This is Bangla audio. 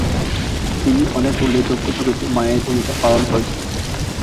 তিনি অনেক উল্লেখযোগ্য ছবিতে মায়ের ভূমিকা পালন করেছিলেন।